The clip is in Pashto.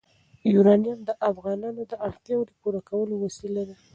یورانیم د افغانانو د اړتیاوو د پوره کولو وسیله ده.